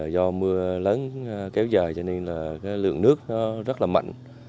do mưa lớn kéo dài cho nên lượng nước rất là mạnh